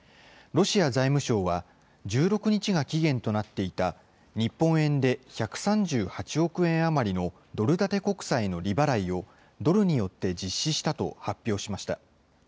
ロシア財務省は、１６日が期限となっていた日本円で１３８億円余りのドル建て国債の利払いを、ドルによって実施したと発表しました。